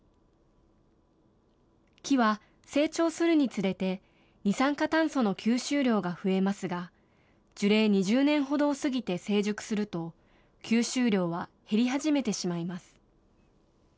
木は成長するにつれて、二酸化炭素の吸収量が増えますが、樹齢２０年ほどを過ぎて成熟すると、吸収量は減り始めてしまいます。